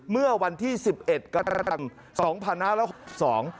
เมื่อวันที่๑๑กรรม๒พศ๖๒